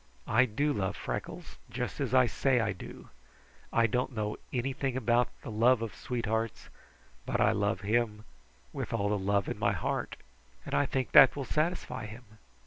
I do love Freckles, just as I say I do. I don't know anything about the love of sweethearts, but I love him with all the love in my heart, and I think that will satisfy him."